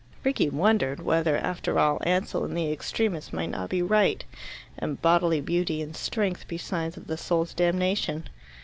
Rickie wondered whether, after all, Ansell and the extremists might not be right, and bodily beauty and strength be signs of the soul's damnation.